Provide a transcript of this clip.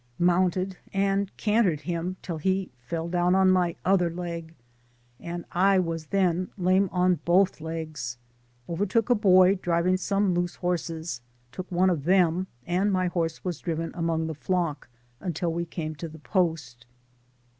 — Mounted and cantered hitn till he fell down on my other leg, and I was then lame on both legs — was bvertaken by a boy driving some loose horses — took one of them, and my hotse wad driven among the flock, tintil we canie to the post.